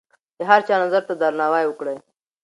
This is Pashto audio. د هر چا نظر ته درناوی وکړئ.